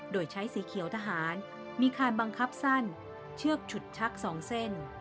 โดยใช้สีเขียวทหารมีคานบังคับสั้นเชือกฉุดชัก๒เส้น